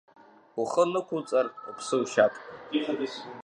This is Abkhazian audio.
Ухы нықәуҵар, уԥсы ушьап.